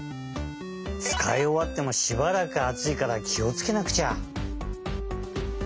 つかいおわってもしばらくあついからきをつけなくちゃ。